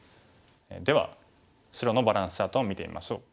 では白のバランスチャートを見てみましょう。